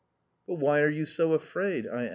"But why are you so afraid?" I ask.